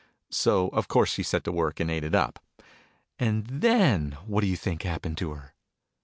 So of course she set to work and ate it up. And then what do you think happened to her